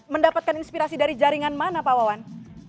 mendapatkan inspirasi dari jaringan mana pak wawan